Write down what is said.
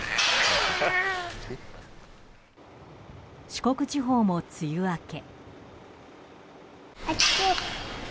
四国地方も梅雨明け。